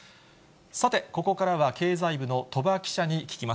さて、ここからは経済部の鳥羽記者に聞きます。